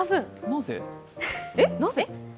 なぜ？